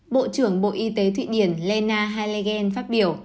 bộ trưởng bộ y tế thụy điển lena halegen phát biểu